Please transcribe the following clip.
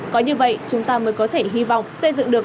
có như vậy chúng ta mới có thể hy vọng xây dựng được